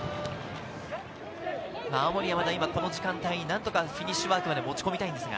青森山田、今この時間帯、何とかフィニッシュワークまで持ち込みたいんですが。